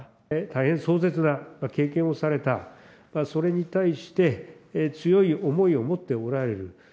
大変壮絶な経験をされた、それに対して、強い思いを持っておられる。